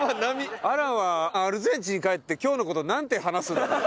アランはアルゼンチン帰って今日の事なんて話すんだろう？